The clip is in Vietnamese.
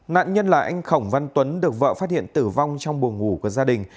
nạn nhân là anh khổng văn tuấn được vợ phát hiện tử vong trong buồng ngủ của gia đình